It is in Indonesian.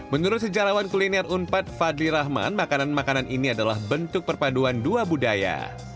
menurut sejarawan kuliner unpad fadli rahman makanan makanan ini adalah bentuk perpaduan dua budaya